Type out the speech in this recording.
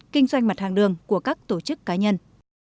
kinh doanh mặt hàng đường của các tổ chức cá nhân